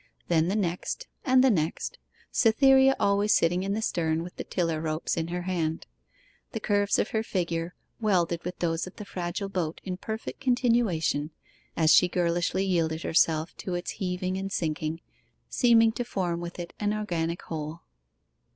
Then the next, and the next, Cytherea always sitting in the stern with the tiller ropes in her hand. The curves of her figure welded with those of the fragile boat in perfect continuation, as she girlishly yielded herself to its heaving and sinking, seeming to form with it an organic whole.